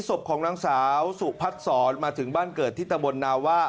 ศพของนางสาวสุพัฒนศรมาถึงบ้านเกิดที่ตะบนนาว่า